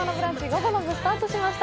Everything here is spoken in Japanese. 午後の部、スタートしました。